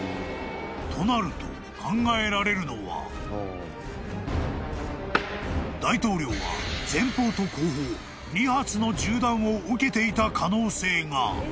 ［となると考えられるのは大統領は前方と後方２発の銃弾を受けていた可能性が］